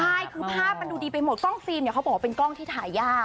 ใช่คือภาพมันดูดีไปหมดกล้องฟิล์มเนี่ยเขาบอกว่าเป็นกล้องที่ถ่ายยาก